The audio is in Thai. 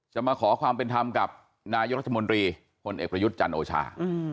มาขอความเป็นธรรมกับนายกรัฐมนตรีพลเอกประยุทธ์จันทร์โอชา